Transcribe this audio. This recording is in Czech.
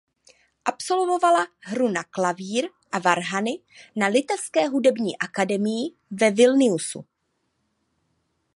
Absolvovala hru na klavír a varhany na "Litevské hudební akademii" ve Vilniusu.